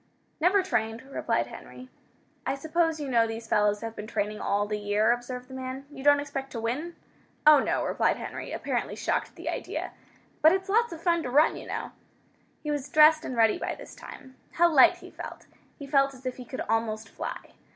"Never trained," replied Henry. "I suppose you know these fellows have been training all the year?" observed the man. "You don't expect to win?" "Oh, no!" replied Henry, apparently shocked at the idea. "But it's lots of fun to run, you know." He was dressed and ready by this time. How light he felt! He felt as if he could almost fly.